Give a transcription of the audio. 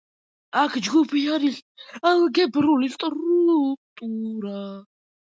აქ ჯგუფი არის ალგებრული სტრუქტურა.